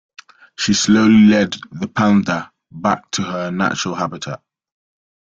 She slowly led the panda back to her natural habitat.